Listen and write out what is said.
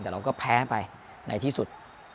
แต่เราก็แพ้ไปในที่สุด